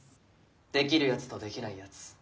できるやつとできないやつ。